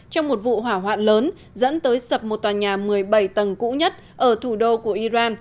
trong một vụ hỏa hoạn lớn dẫn tới sập một tòa nhà một mươi bảy tầng cũ nhất ở thủ đô của iran